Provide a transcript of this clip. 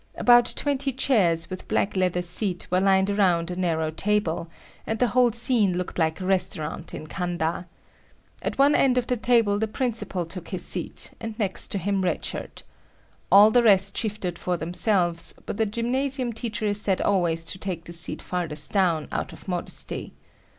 About twenty chairs, with black leather seat, were lined around a narrow table, and the whole scene looked like a restaurant in Kanda. At one end of the table the principal took his seat, and next to him Red Shirt. All the rest shifted for themselves, but the gymnasium teacher is said always to take the seat farthest down out of modesty.